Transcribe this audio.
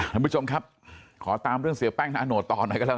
ท่านผู้ชมครับขอตามเรื่องเสียแป้งนาโนตต่อหน่อยก็แล้วกัน